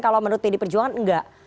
kalau menurut pd perjuangan enggak